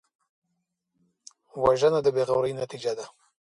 وژنه د بېغورۍ نتیجه ده